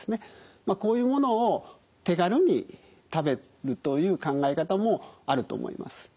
まあこういうものを手軽に食べるという考え方もあると思います。